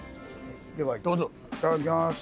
いただきます。